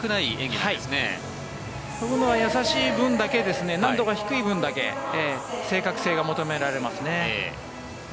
飛ぶのが易しい分だけ難度が低い分だけ正確性が求められますね。